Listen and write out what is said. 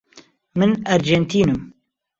من ئەرجێنتینم.